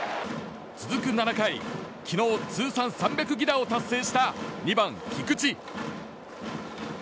続く７回、昨日通算３００犠打を達成した２番、菊池。